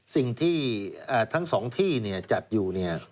สิ่งที่ทั้งสองที่จัดอยู่